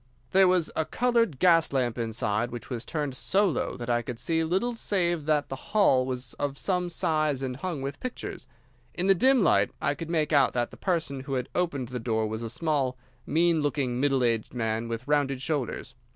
"There was a coloured gas lamp inside which was turned so low that I could see little save that the hall was of some size and hung with pictures. In the dim light I could make out that the person who had opened the door was a small, mean looking, middle aged man with rounded shoulders.